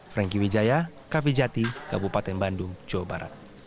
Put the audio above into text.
franky wijaya kavijati kabupaten bandung jawa barat